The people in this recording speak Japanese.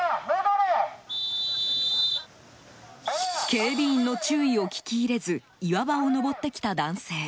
警備員の注意を聞き入れず岩場を登ってきた男性。